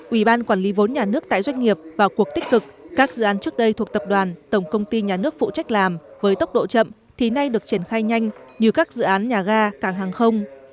ủy ban quản lý vốn nhà nước tại doanh nghiệp vào cuộc tích cực các dự án trước đây thuộc tập đoàn tổng công ty nhà nước phụ trách làm với tốc độ chậm thì nay được triển khai nhanh như các dự án nhà ga cảng hàng không